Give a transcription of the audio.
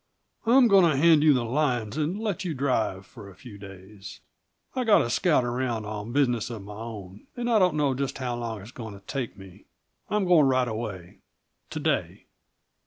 "I'm going to hand you the lines and let you drive, for a few days. I've got to scout around on business of my own, and I don't know just how long it's going to take me. I'm going right away to day."